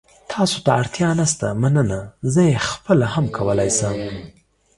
تاسو ته اړتیا نشته، مننه. زه یې خپله هم کولای شم.